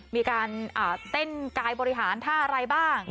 มีการเต้นกายบริหารท่าอะไรบ้าง